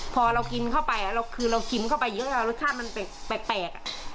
พอเรากินเข้าไปคือเรากินเข้าไปเยอะรสชาติมันแปลก